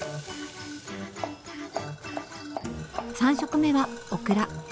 ３色目はオクラ。